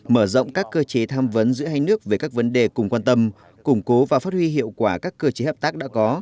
mở rộng các cơ chế tham vấn giữa hai nước về các vấn đề cùng quan tâm củng cố và phát huy hiệu quả các cơ chế hợp tác đã có